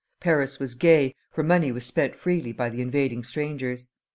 Paris was gay, for money was spent freely by the invading strangers.